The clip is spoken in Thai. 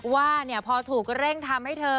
ว่าพอถูกเร่งทำให้เธอ